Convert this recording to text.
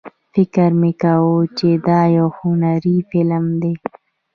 فکر مې کاوه چې دا یو هنري فلم دی.